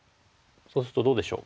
そうするとどうでしょう？